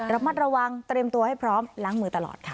ระมัดระวังเตรียมตัวให้พร้อมล้างมือตลอดค่ะ